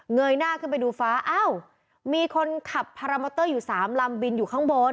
ยหน้าขึ้นไปดูฟ้าอ้าวมีคนขับพารามอเตอร์อยู่สามลำบินอยู่ข้างบน